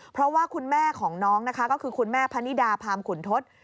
เพราะว่าคุณแม่ของน้องนะคะก็คือคุณแม่พนิดาพามขุนทศ